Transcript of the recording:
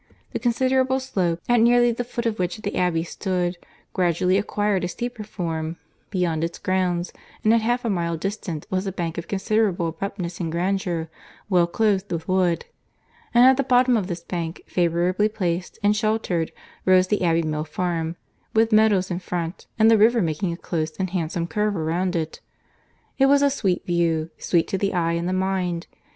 —The considerable slope, at nearly the foot of which the Abbey stood, gradually acquired a steeper form beyond its grounds; and at half a mile distant was a bank of considerable abruptness and grandeur, well clothed with wood;—and at the bottom of this bank, favourably placed and sheltered, rose the Abbey Mill Farm, with meadows in front, and the river making a close and handsome curve around it. It was a sweet view—sweet to the eye and the mind.